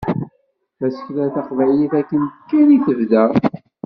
Tasekla taqbaylit akken kan i tebda.